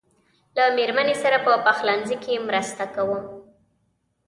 له مېرمنې سره په پخلنځي کې مرسته کوم.